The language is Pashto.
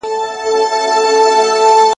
تور دېوان د شپې راغلي د رڼا سر یې خوړلی ,